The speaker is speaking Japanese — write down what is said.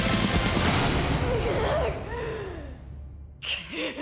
くっ！！